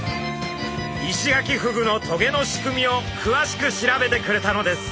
イシガキフグの棘の仕組みをくわしく調べてくれたのです。